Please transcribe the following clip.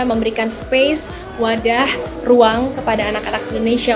memberikan space wadah ruang kepada anak anak indonesia